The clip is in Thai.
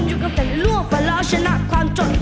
อยู่กับแฟนในล่วงฝันแล้วชนะความจด